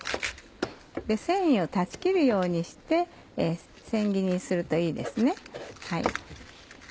繊維を断ち切るようにして千切りにするといいですね。